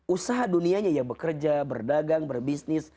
usaha dunianya ya bekerja berdagang berbisnis